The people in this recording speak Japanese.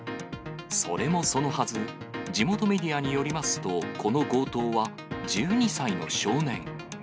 それもそのはず、地元メディアによりますと、この強盗は１２歳の少年。